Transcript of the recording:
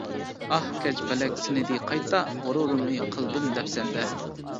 ئاھ كاج پەلەك سىنىدى قايتا، غۇرۇرۇمنى قىلدىم دەپسەندە.